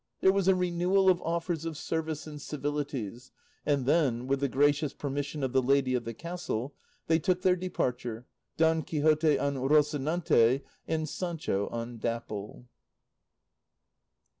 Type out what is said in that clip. There was a renewal of offers of service and civilities, and then, with the gracious permission of the lady of the castle, they took their departure, Don Quixote on Rocinante, and Sancho on Dapple.